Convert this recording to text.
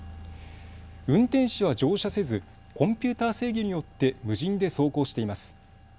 運転士は乗車せずコンピューター制御によって無人で走行しています。